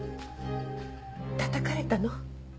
たたかれたの？